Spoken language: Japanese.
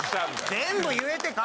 全部言えてガ